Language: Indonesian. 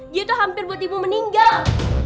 dia tuh hampir buat ibu meninggal